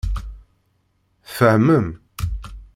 Tfehmem.